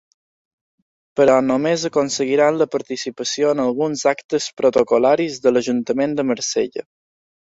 Però només aconseguiran la participació en alguns actes protocol·laris de l'Ajuntament de Marsella.